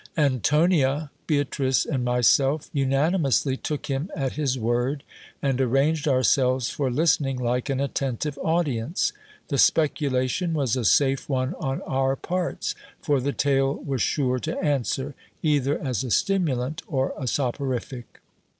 Antonia, Beatrice, and myself, unanimously took him at his word, and arranged ourselves for listening like an attentive audience. The speculation was a safe one on our parts ; for the tale was sure to answer, either as a stimulant or a soporific _ 364 GIL BLAS.